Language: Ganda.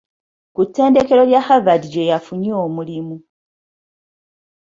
Ku ttendekero lya Harvard gye yafunye omulimu.